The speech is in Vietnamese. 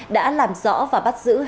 đã làm rõ và bắt giữ hai đối tượng